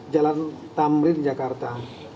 jalan tamrin jakarta